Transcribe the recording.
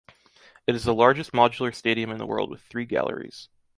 It is the largest modular stadium in the world with three galleries.